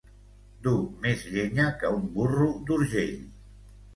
Dur més llenya que un burro d'Urgell.